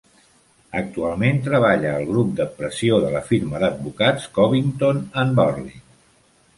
Actualment treballa al grup de pressió de la firma d"advocats Covington and Burling.